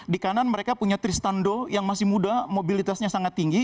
di kanan mereka punya tristando yang masih muda mobilitasnya sangat tinggi